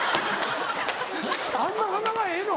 あんな鼻がええの？